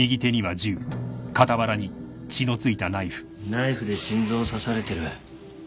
ナイフで心臓を刺されてる。